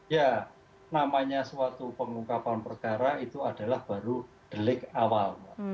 ya namanya suatu pengungkapan perkara itu adalah baru delik awal